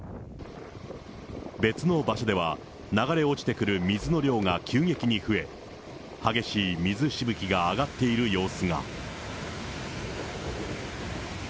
別の場所では、流れ落ちてくる水の量が急激に増え、激しい水しぶきが上がっている様子が。